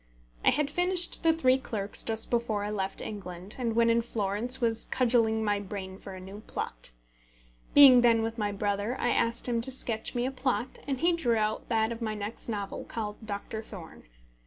I had finished The Three Clerks just before I left England, and when in Florence was cudgelling my brain for a new plot. Being then with my brother, I asked him to sketch me a plot, and he drew out that of my next novel, called Doctor Thorne.